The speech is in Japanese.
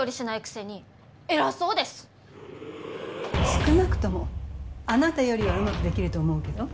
少なくともあなたよりはうまくできると思うけど。